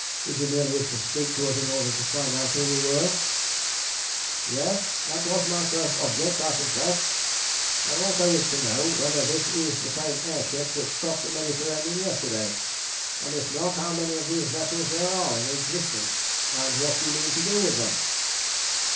Did you merely wish to speak to us in order to find out who we were?" "Yes, that was my first object, I confess. I also wished to know whether this is the same air ship which crossed the Mediterranean yesterday, and if not, how many of these vessels there are in existence, and what you mean to do with them?"